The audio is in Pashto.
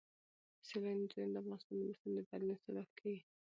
سیلانی ځایونه د افغانستان د موسم د بدلون سبب کېږي.